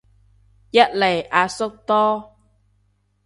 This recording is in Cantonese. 一嚟阿叔多